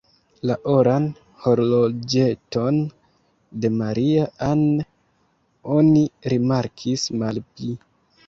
La oran horloĝeton de Maria-Ann oni rimarkis malpli.